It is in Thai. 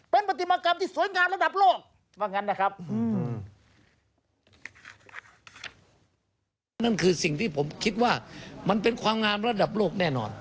เป็นปฏิหมากรรมที่สวยงามระดับโลก